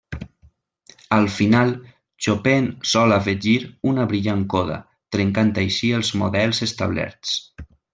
Al final, Chopin sol afegir una brillant coda, trencant així els models establerts.